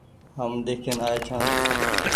هم ۮيکين آئي ڇآن ۔